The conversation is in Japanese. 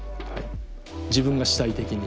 自分が主体的に。